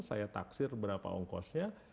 saya taksir berapa ongkosnya